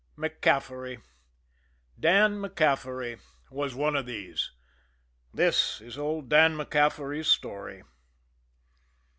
MacCaffery, Dan MacCaffery, was one of these. This is old Dan MacCaffery's story.